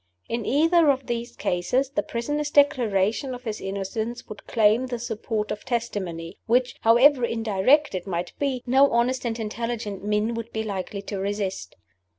In either of these cases the prisoner's Declaration of his innocence would claim the support of testimony, which, however indirect it might be, no honest and intelligent men would be likely to resist.